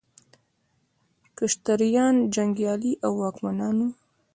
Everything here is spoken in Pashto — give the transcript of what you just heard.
کشتریان جنګیالي او واکمنان وو.